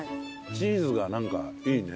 チーズがなんかいいね。